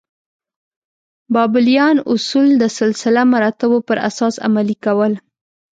بابلیان اصول د سلسله مراتبو پر اساس عملي کول.